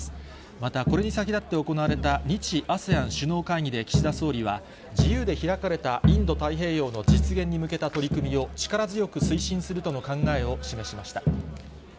また、これに先立って行われた日・ＡＳＥＡＮ首脳会議で岸田総理は、自由で開かれたインド太平洋の実現に向けた取り組みを、力強く推進するとの考えを示しました。